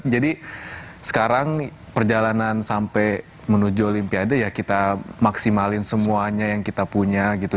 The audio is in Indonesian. jadi sekarang perjalanan sampai menuju olimpiade ya kita maksimalin semuanya yang kita punya gitu